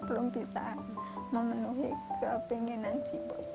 belum bisa memenuhi kepinginan cipu